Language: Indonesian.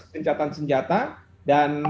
gencatan senjata dan